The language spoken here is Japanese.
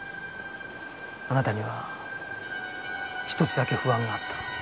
あなたには１つだけ不安があった。